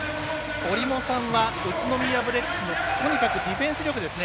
折茂さんは宇都宮ブレックスのディフェンス力ですね。